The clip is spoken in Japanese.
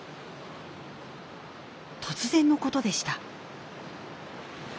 突然のことでした。